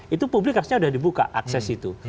itu publik harusnya sudah dibuka akses itu